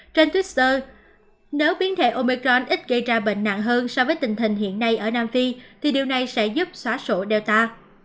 trên twitter nếu biến thể omecron ít gây ra bệnh nặng hơn so với tình hình hiện nay ở nam phi thì điều này sẽ giúp xóa sổ delta